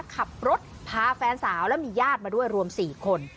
ขับรถพาแฟนสาวและมีญาติมาด้วยรวม๔คน